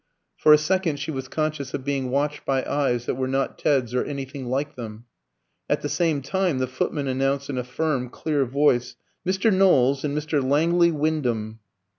For a second she was conscious of being watched by eyes that were not Ted's or anything like them. At the same time the footman announced in a firm, clear voice, "Mr. Knowles and Mr. Langley Wyndham!"